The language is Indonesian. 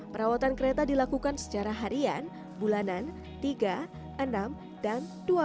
perawatan kereta dilakukan secara harian bulanan tiga enam dan dua belas